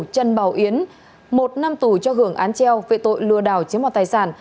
trần bảo yến một năm tù cho hưởng án treo vệ tội lừa đảo chiếm hoạt tài sản